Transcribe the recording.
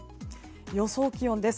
予想気温です。